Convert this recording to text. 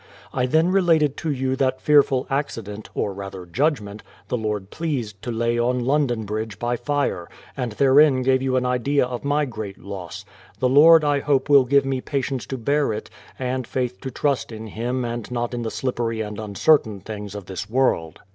I then related to you that fearful accident, or rather judgment, the Lord pleased to lay on London bridge by fire, and therein gave you an idea of my great loss ; the £46 THE PLYMOUTH SETTLEMENT 247 Lord I hope will give me patience to bear it, and faith to trust in Him and not in the sHppcry and uncertain things of this world.